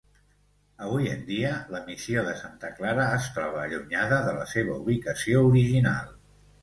Avui en dia, la missió de Santa Clara es troba allunyada de la seva ubicació original.